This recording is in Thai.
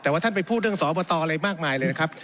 แต่ว่าท่านไปพูดเรื่องสอบตอะไรมากมายเลยนะครับ